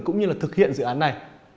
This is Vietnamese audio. cũng như là thực hiện dự án này